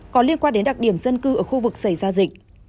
có liên quan đến đặc điểm dân cư ở khu vực xảy ra dịch